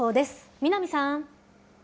南さん。